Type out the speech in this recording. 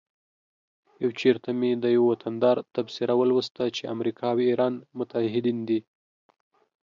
یو چیرته مې د یوه وطندار تبصره ولوسته چې امریکا او ایران متعهدین دي